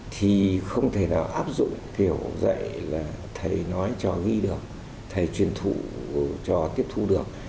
thì không thể nào áp dụng kiểu dạy là thầy nói cho ghi được thầy truyền thụ cho tiếp thu được